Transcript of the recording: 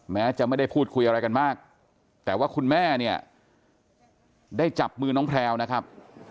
แม้จะไม่ได้พูดคุยอะไรกันมากแต่ว่าคุณแม่เนี่ยได้จับมือน้องแพลวนะครับ